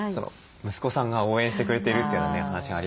息子さんが応援してくれているという話がありましたけども。